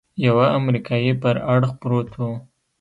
يوه امريکايي پر اړخ پروت و.